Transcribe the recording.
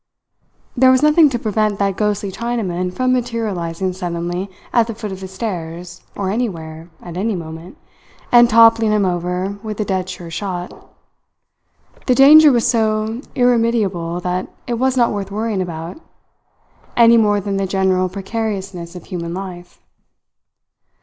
There was nothing to prevent that ghostly Chinaman from materializing suddenly at the foot of the stairs, or anywhere, at any moment, and toppling him over with a dead sure shot. The danger was so irremediable that it was not worth worrying about, any more than the general precariousness of human life.